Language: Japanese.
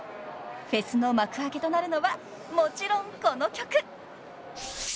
［フェスの幕開けとなるのはもちろんこの曲］